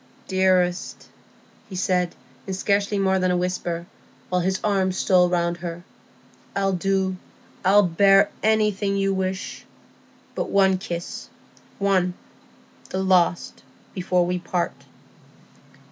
"Dearest," he said, in scarcely more than a whisper, while his arm stole round her, "I'll do, I'll bear anything you wish. But—one kiss—one—the last—before we part."